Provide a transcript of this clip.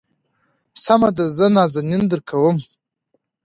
سمه ده زه نازنين درکوم.